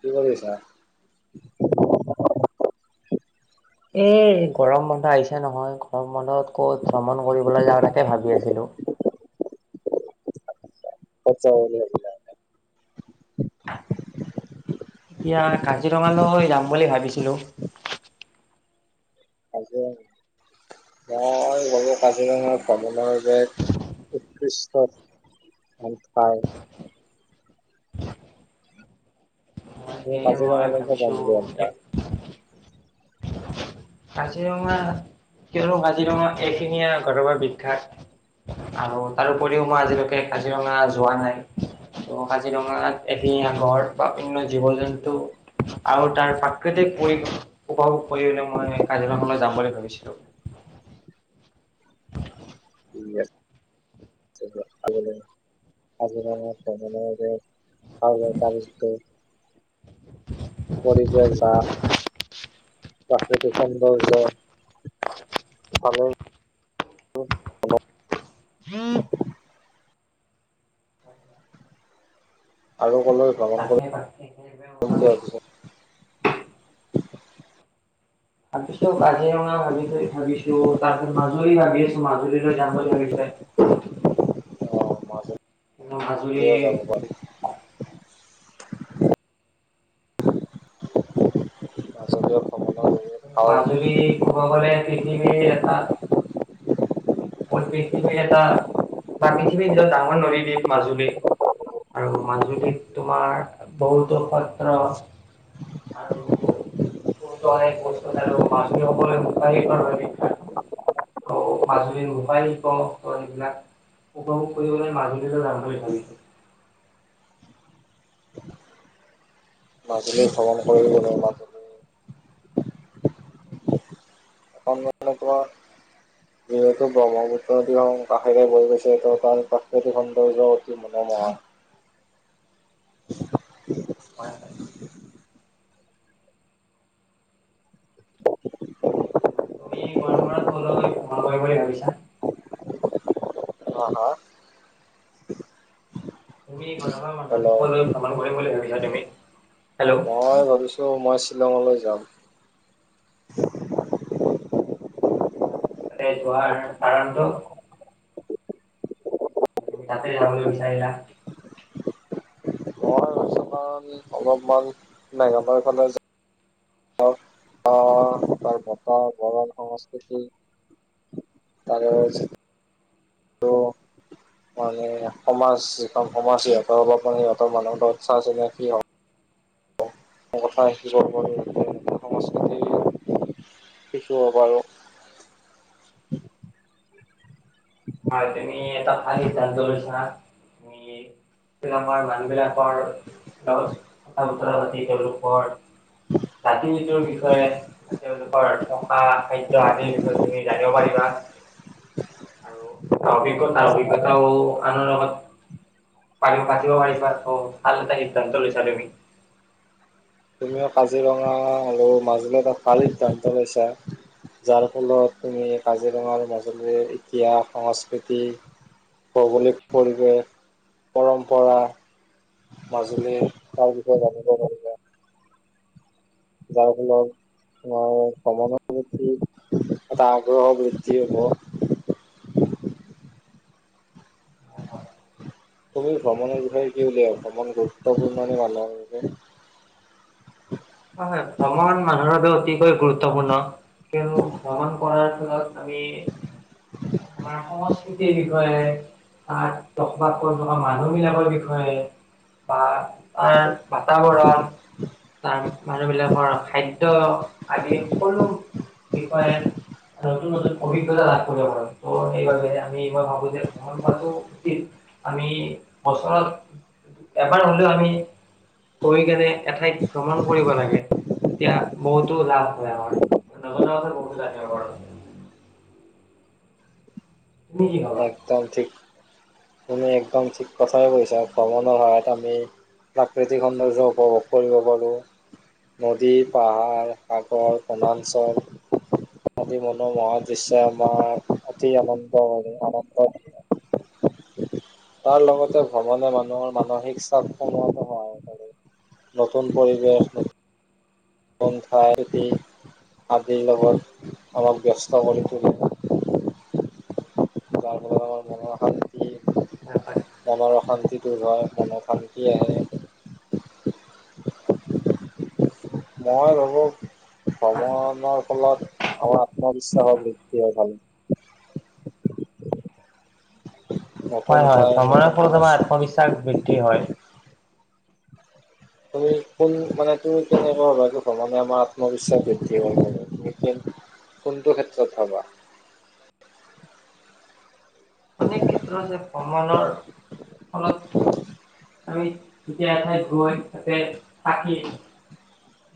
কি কৰি আছা? এ গৰম বন্ধ আহিছে নহয় গৰম বন্ধত ক'ত শ্ৰমণ কৰিবলৈ যাওঁ তাকে ভাবি আছো। হনো পচাব লাগ হেলল। [inaudible] কাজিৰঙা ভ্ৰমণৰ যে উদৃষ চব ভ হয়। মই ম সেয়ে মই কাজিৰঙালৈকে যাম ভাবিছোঁ বুলি এই [unintelligible] কাজিৰঙা কিয়নো কাজিৰঙা এখিনঙীয়া ঘৰৱাৰ বিখ্যাত, আৰু তাৰোপৰিও মই আজিলৈকে কাজিৰঙা যোৱা নাই, ত কাজিৰঙাত এখিনঙীয়া গঁড় বা অন্য জীৱ জন্তু আৰু তাৰ প্ৰাকৃতিক পৰি উপভোগ কৰিনে মই কাজিৰঙালৈ যাম বুলি ভাবিছিলো। ঠিক আছে, [inaudible] কাজিৰঙা যাব ন' এতিয়া। প তাৰপিছ পৰিৱেশ যা প্ৰাকৃতি সৌন্দৰ্য ভালে উম আৰু ক'লৈ ভ্ৰমণ কৰিম বুলি ভাবিছা? [unintelligible] ভাবিছো কাজিৰঙা ভাবি থ ভাবিছো তাৰপ মাজত আমি ভাবি আছো মাজুলীলৈ যাম বুলি ভাবিছে। অ' মাজুলীও যাব পাৰি। তচত [unintelligible] ভাল গবলে পৃথিৱী এটা বিশ এটা ন পৃথিৱী নিজৰ ডাঙৰ নদী দ্বীপ মাজুলী আৰু মাজুলীত তোমাৰ বহুতো সত্ৰ আৰু কচ আৰু মাজুলী সকললৈ মুোকাহকৰ হয় বিখ্যাত মাজুলী । [unintelligible] এইবিলাক উপভোগ কৰিবলৈ মাজুলীলৈ যাম বুলি ভাবিছো মাজুলী ভ্ৰমণ কৰিল মাজুলী একা যিহেতু ব্ৰহ্মপুত্ৰদি কাষেৰে বৈ গৈছে ত তাৰ প্ৰাকৃতিক সৌন্দৰ্য অতি মনোমোহা হয় হয় । তুমি পৰম্পৰাত ক পোমা কৰিব বুলি ভাবিছা অ হা । তুমি মনান হেল্ল' বুলি । তা তুমি হেল্ল' হয় মই ভাবিছো মই শ্বিলঙলৈ যাম ত কাৰণটো তুমি তাতে যাবলৈ বিচাৰিলা । মই ভাবিছো কাৰণ অলপমান মেঘালয়খনে য টাৰ বত বৰণ সংস্কৃতি তাৰে মানে সমাজ যিখন সমাজ সিহঁতৰ হব প সিহঁতৰ মানুহ উৎসাহ চনে হ কথা শে সংস্কৃতি শিকিব পাৰোঁ হয় তুমি এটা ভাল সিদ্ধান্ত লৈছা তুমিমাৰ মানুহবিলাকৰ লগ লগত কথা বতৰা পাতি তেওঁলোকৰ জাতি নীতিৰ বিষয়ে বা তেওঁলোকৰ থকা খাদ্য় আদিৰ বিষয়ে তুমি জানিব পাৰিবা আৰু অভিজ্ঞতাৰ অভিজ্ঞতাও আনৰ লগত পাৰ পাতিব পাৰিবা ভাল এটা সিদ্ধান্ত লৈছা তুমি তুমিও কাজিৰঙা আৰু মাজুলীত এ ভাল সিদ্ধান্ত লৈছা যাৰ ফলত তুমি কাজিৰঙা আৰু মাজুলীৰ ইতিহাস সংস্কৃতি ভৌগোলিক পৰিৱেশ পৰম্পৰা । মাজুলী তাৰ বিষয়ে জানিব লাৰিবে যাৰ ফলত আমাৰ কমৰ প্ৰতি এটা আগ্ৰহ বৃদ্ধি হ'ব । তুমি ভ্ৰমণৰ বিষয়ে কি উলিয়াওঁ ভ্ৰমণ গুৰুত্বপূৰ্ণ মানুহৰ বিষয়ে প্ৰমমান মানুহৰ অতি খ গুৰুত্বপূৰ্ণ কন্তু ভ্ৰমণ কৰাৰ ফত আমি আমাৰ সম সৃতিৰ বিষয়ে ত বসবাস কৰি থকা মানুহ বিলাকৰ বিষয়ে বা তাৰ বাতাবৰণ তাৰ মানুহ বিিলাকৰ খাদ্য় আদি সকলো বিষয়ে নতুন নতুন অভিজ্ঞতা লাভ কৰিব পাৰাৰে সেইবাবে আমি মই ভাবো যে ভ্ৰমণ কৰাটো উচিত আমি ওচৰত এবাৰ হলেও আমি গৈ কেনে এঠাইত ভ্ৰমণ কৰিব লাগে তেতিয়া বহুতো লাভ হয় আমাৰ নজনা কথাৰত বহুত লাভ হয় । একদম ঠিক । তুমি একদম ঠিক কথাই কৈছা ভ্ৰমণৰ সহায়ত আমি প্ৰাকৃতিক সৌন্দৰ্য্য উপভোগ কৰিব পাৰো নদী পাহাৰ সাগৰ বনাঞ্চল আদি মনোমোহা দৃশ্যই আমাৰ অতি আনন্দ হয়ে ন তাৰ লগতে ভ্ৰমণে মানুহৰ মানসিক চাপ সনোৱাত সহায় কৰে নতুন পৰিৱেশ ন্ঠাই খেতি আদিৰ লগত আমাক ব্যস্ত কৰি তুল গ ম মনৰ অশান্তি দ হয় মন শান্তি আহে মই ভাবো ভ্ৰমণৰ ফলত আমাৰ আত্মবিশ্বাসৰ বৃদ্ধি হয় ভাল নতুন হয় হয় ঠাই ভ্ৰমণৰ নতুন ফত তোমাৰ সমস্যা আত্মবিশ্বাস বৃদ্ধি হয় তুমি কোন মানে তুমি কেনেকুৱা হবাটো ভানে আমাৰ আত্মবিশ্বাস বৃদ্ধি হয় তুমি কোনটো ক্ষেত্ৰত হবা । অনেক ক্ষেত্ৰ যে ভ্ৰমণৰ ফলত আমি যেতিয়া এঠাইত গৈ তাতে থাকি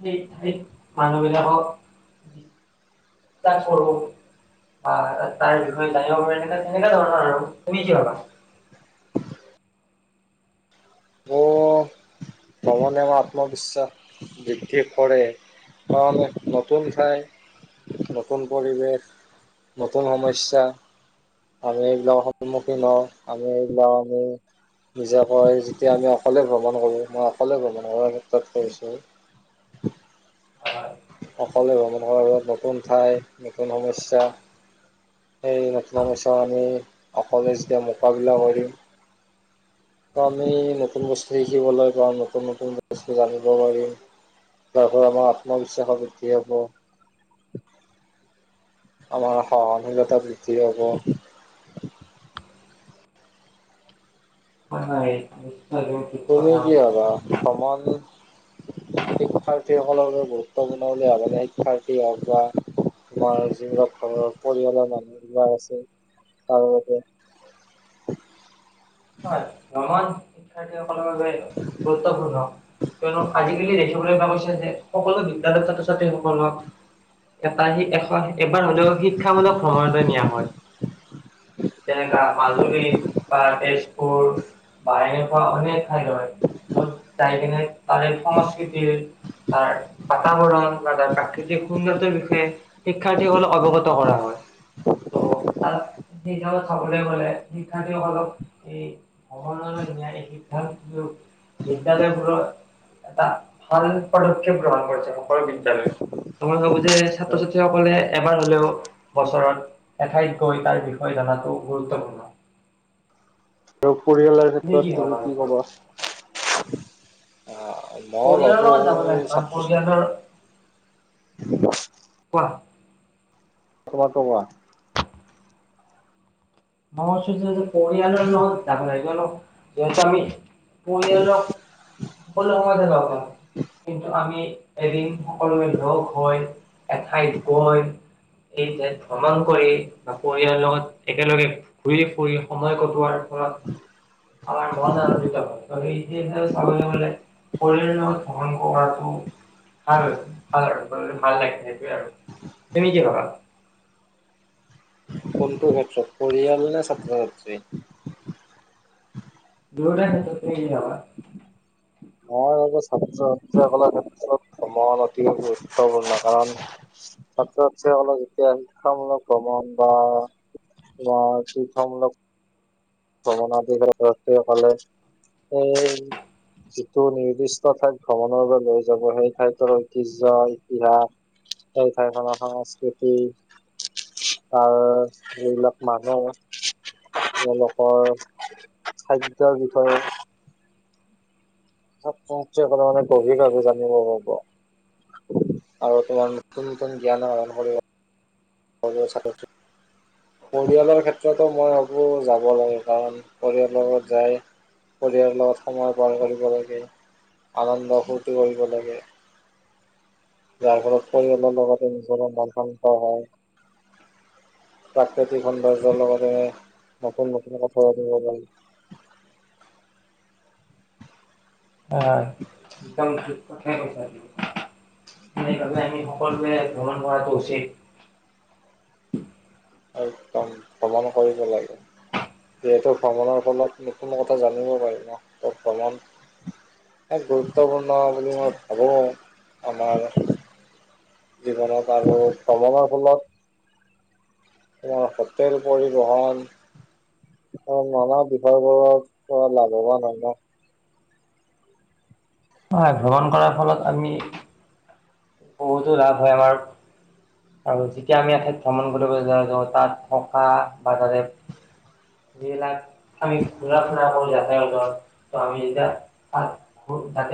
সেই ঠাইত মানুহবিলাকক া [unintelligible] ক সৰুো বা তাৰ বিষয়ে জানিব পাৰি তে তেনেুৱা ধৰণৰ আৰু তুমি কি ভাবা [unintelligible] মোৰ ভ্ৰমণে আমাৰ আত্মবিশ্বাস বৃদ্ধি কৰে, কাৰি নতুন ঠাই নতুন পৰিৱেশ, নতুন সমস্যা, আমি এইবিলাকৰ সন্মুখীন হওঁ, আমি এইবিলাক, আমি নিজাকৈ যেতিয়া আমি অকলে ভ্ৰমণ কৰোঁ, মই কলে ভ মানে ক্ষেত্ৰত কৈছোঁ [unintelligible] অকলে ভ্ৰমণ কৰাৰ লগত নতুন ঠাই নতুন সমস্যা সেই নতুন সমস্যা আমি অকোৱলে যেতিয়া মোকাবিলা কৰিম ত 'আমি নতুন বস্তু শিকিবলৈ পাওঁ, নতুন নতুন বস্তু জানিব পাৰিম, তাৰ পৰা আমাৰ আত্মবিশ্বাস বৃদ্ধি হ'ব। আমাৰ সহনশীলতা বৃদ্ধি হব। হয়, ন [unintelligible] তুমি কি ভাবা? সমমাৰ শিক্ষাৰ্থীসকলৰ বাবে গুৰুত্বপূৰ্ণ ভ শিক্ষাৰ্থী হওক বা তোমাৰ যিবিলাক ঘৰৰ পৰিয়ালৰ মানুহিলাক আছে, তাৰ নাজ শিক্ষাৰ্থ [unintelligible] ভ ভে গুৰুত্বপূৰ্ণ তু আজি [unintelligible] দেখিবলৈ ভ গৈছে যে, সকলো বিদ্য়ালয় ছাত্ৰ ছাত্ৰী সকলক এটাাহি, এশ এইবাৰ হলেওক শিক্ষামূলক ভ্ৰমণ নিয়া। যেনেকা মাজুলীত বা তেজপুৰ বা এনেকুৱা অনেক ঠাই হয়, য'ত যাই কিনে তাৰে সংস্কৃতিৰ, তাৰ বাতাবৰণ, বা তাৰ প্ৰাকৃতিক সৌন্দৰ্যৰ বিষয়ে শিক্ষাৰ্থীসকলক অৱগত কৰা হয়, ত' তাত সিচাপত খাবলৈ গলে, শিক্ষাৰ্থীসকলক সমনলৈ নায় এই সিদ্ধান্ত বিদ্যালয়বোৰৰ এটা ভাল পদক্ষেপ গ্ৰহণ কৰিছে, সকলো বিদ্য়ালয়, [unintelligible] ভ যে ছাত্ৰ হয়। ছাত্ৰীসকলে এবাৰ হলেও, বছৰত এঠাইত গৈ তাৰ বিষয়ে জাতো গুৰুত্বপূৰ্ণ। আৰু পৰিয়ালৰ ক্ষেত্ৰত তুমি ভাবা এই কি বিষয়ত? ক'বা? অঁ। ক়িয় য ক়িয় [unintelligible] কোৱা! কম কমা [unintelligible] নহছ যে [unintelligible] পৰিয়ানৰ ন তাক নাই ক ন [unintelligible] যিহেতু আমি পৰিয়ালক, সকলো সময়হে যওঁ কিন্ত আমি এদিন সকলোৱে লগ হৈ, এঠাইত গৈ, এইঠাইত ভ্ৰমণ কৰি, বা পৰিয়ালৰ লগত একেলগে ঘূৰি ফুৰি, সময় কটোৱাৰ ফলত, আমাৰ মন আনন্দিত হয়, গ চাবলৈ গলে শৰীৰৰ লগত ভহন কৰাটো ভাল ভাল ভাল লাগে সেইটোৱে আৰু, তোমি কি ভাবা? কোনটো ক্ষেত্ৰত পৰিয়াল নে ছাত্ৰ ছাত্ৰী? দুৌ ন [unintelligible] তত যাবা মই ভাবো ছাত্ৰ ছাত্ৰীসকলৰ ক্ষেত্ৰত ভ্ৰমণ অতি গুৰুত্বপূৰ্ণ কাৰণ, ছাত্ৰ ছাত্ৰীসকলক যেতিয়া শিক্ষামূলক ভ্ৰমণ বা, বা শিক্ষামূলক ভ্ৰমণ দি ব্যক্তিসকলে, এই যিটো নিৰ্দিষ্ট ঠাইত ভ্ৰমণৰ বাবে লৈ যাব, সেই ঠাইতৰ ঐতিহ্য় ইতিহাস সেই ঠাইখনৰ সংস্কৃতি, আৰু যিবিলাক মানুহ, তেওঁলোক ঘৰ, খাদ্যয়ৰ বিষয়ে ব [unintelligible] মানে গভীৰভে জানিব পাৰিব আৰু তোমাৰ নতুন নতুন জ্ঞান আহন কৰিব অ চ [unintelligible] পৰিয়ালৰ ক্ষেত্ৰতো মই ভাবোঁ যাব লাগে, কাৰণ পৰিয়ালৰ লগত যাই, পৰিয়ালৰ লগত সময় পাৰ কৰিব লাগে, আনন্দ ফূৰ্তি কৰিব লাগে যাৰ ফলত পৰিয়ালৰ লগতে নিজৰ মান কান হয়। প্ৰাকৃতিক সৌন্দৰ্যৰ লগতে নতুন নতুন কথা পাতিব লাগ। অঁ একদম পঠেই পইচাে সেইবাবে আমি সকলোোৱে ভ্ৰমণ কৰাটো উচিত উ একদম ভ্ৰমণ কৰিব লাগে যিহেতু ভ্ৰমণৰ ফলত নতুন কথা জানিব পাৰি ম ভ্ৰমণ এক গুৰুত্বপূৰ্ণ বুলি মই ভাবোঁ আমাৰ জীৱনত আৰু ভ্ৰমণৰ ফলত আমাৰ হোটেল পৰিবহন নানা বিষয়বোৰৰ পৰা লাভৱান হ হয় হয় ভ্ৰমণ কৰাৰ ফলত আমি বহুতো লাভ হয় আমাৰ আৰু যেতিয়া আমি এঠাইত ভ্ৰমণ কৰিব যাওঁ তাত থকা বা তাতে যিবিলাক আমি ঘুৰা ফুৰা কৰো যাতায়ৰ ঘৰত ত আমি যেতিয়া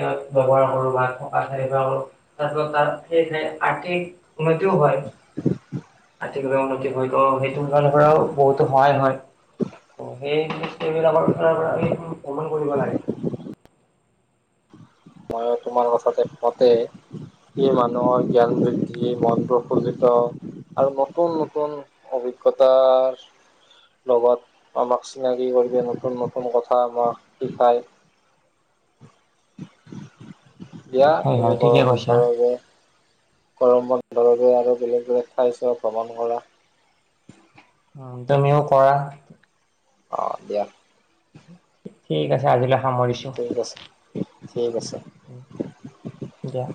জাতত ব্য্ৱহাৰ কৰো বা থকা ঠাই ব্যৱহাৰ কৰো তাৰপিছত তাত সয়েহ আৰ্থিক উন্নতিও হয় আৰ্থিকভাৱে উন্নতি হয় ত সেইটোৰ ফালৰ পৰাও বহুতো সহায় হয় ত সেইেইবিলাকৰ ফালৰ পৰামি ভ্ৰমণ কৰিব লাগে মই তোমাৰ কথাতেমতে ই মানুহৰ জ্ঞান বৃদ্ধি মন প্ৰফুললিত আৰু নতুন নতুন অভিজ্ঞতাৰ লগত আমাক চিনাকি কৰিব নতুন নতুন কথা আমাক শিকায় বিিয়া হয় তুমি হয় ঠিকে গৰম কৈছা বন্ধৰ বাবে গৰম বন্ দৰবৰে আৰু বেলেগ বোৰে খাইছোৱা ভ্ৰমণ কৰা উ তুমিও কৰা অঁ দিয়া ঠিক আছে আজিলিলা সামৰিছো ঠিক আছে । ঠিক আছে দিয়